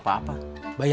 terima kasih kawannya